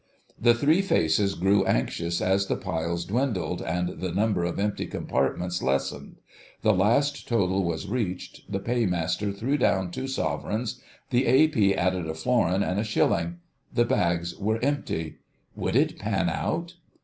The three faces grew anxious as the piles dwindled and the number of empty compartments lessened.... The last total was reached: the Paymaster threw down two sovereigns; the A.P. added a florin and a shilling. The bags were empty: would it "pan out"?